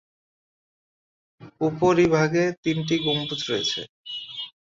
উপরিভাগে তিনটি গম্বুজ রয়েছে।